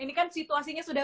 ini kan situasinya sudah